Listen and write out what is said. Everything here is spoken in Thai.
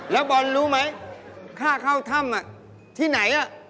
แล้วบอลรู้ไหมค่าเข้าถ้ำที่ไหน